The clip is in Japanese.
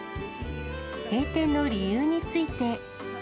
閉店の理由について。